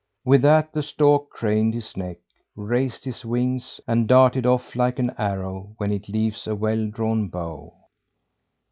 With that the stork craned his neck, raised his wings, and darted off like an arrow when it leaves a well drawn bow.